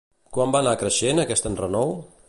Quan va anar creixent aquest enrenou?